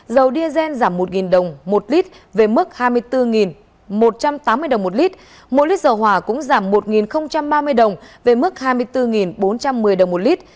dầu diesel giảm một đồng một lít về mức hai mươi bốn một trăm tám mươi đồng một lít mỗi lít dầu hỏa cũng giảm một ba mươi đồng về mức hai mươi bốn bốn trăm một mươi đồng một lít